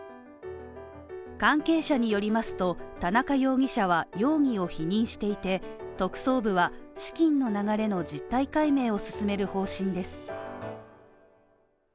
関係者によりますと田中容疑者は、容疑を否認していて、特捜部は、資金の流れの実態解明を進める方針です。